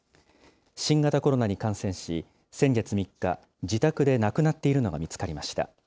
新型コロナに感染し、先月３日、自宅で亡くなっているのが見つかりました。